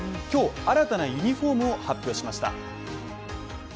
今日、新たなユニフォームを発表しました。